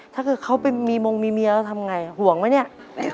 ถ้าเขาเข้ามีมงไม่เมียแล้วทำไงห่วงไหมเนี้ย